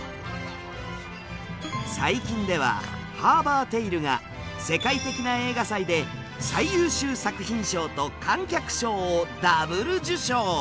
最近では「ハーバーテイル」が世界的な映画祭で最優秀作品賞と観客賞をＷ受賞。